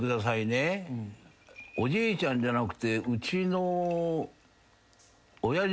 おじいちゃんじゃなくて。